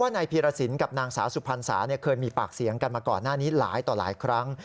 นายพีรสินกับนางสาวสุพรรณสาเคยมีปากเสียงกันมาก่อนหน้านี้หลายต่อหลายครั้ง